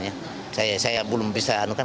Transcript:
nasyarakat dan macam macam